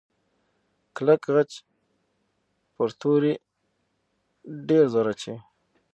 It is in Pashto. کلک خج پر توري ډېر زور اچوي.